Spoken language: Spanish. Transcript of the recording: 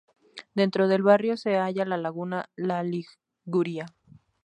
Dentro del barrio se halla la laguna La Liguria.